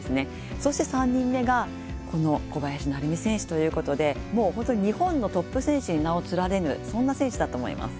そして３人目がこの小林成美選手ということでもうホントに日本のトップ選手に名を連ねるそんな選手だと思います。